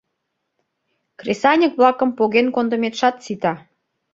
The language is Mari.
Кресаньык-влакым поген кондыметшат сита.